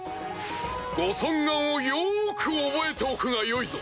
ご尊顔をよく覚えておくがよいぞ。